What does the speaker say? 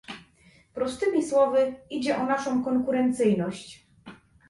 Prostymi słowy, idzie o naszą konkurencyjność